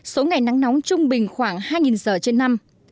số ngày nắng nóng trung bình khoảng hai giờ trên năm